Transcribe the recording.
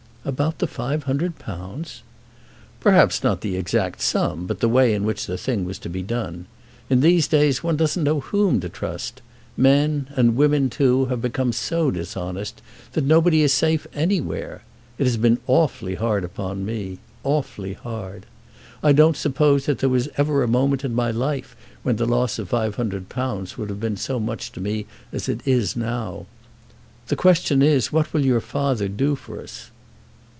"About the £500!" "Perhaps not the exact sum, but the way in which the thing was to be done. In these days one doesn't know whom to trust. Men, and women too, have become so dishonest that nobody is safe anywhere. It has been awfully hard upon me, awfully hard. I don't suppose that there was ever a moment in my life when the loss of £500 would have been so much to me as it is now. The question is, what will your father do for us?"